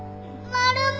マルモ。